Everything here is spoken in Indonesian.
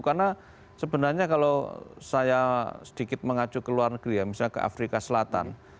karena sebenarnya kalau saya sedikit mengacu ke luar negeri ya misalnya ke afrika selatan